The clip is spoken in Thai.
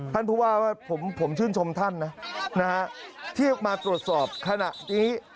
ท่านผู้ว่าว่าผมชื่นชมท่านนะที่มาตรวจสอบขณะนี้